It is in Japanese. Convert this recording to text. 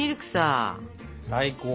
最高！